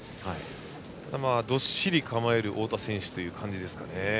ただ、どっしり構える太田選手という感じですかね。